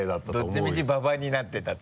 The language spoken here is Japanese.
どっちみち馬場になってたと。